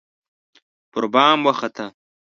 پربام وخته